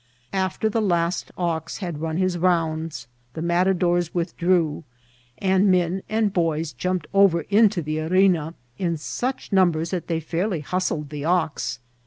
After the last ox had run his rounds, the matadores withdrew, and men and boys jumped over into the are na in such numbers that they fairly hustled the ox.